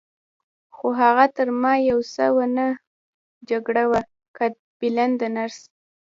خو هغه تر ما یو څه په ونه جګه وه، قد بلنده نرس.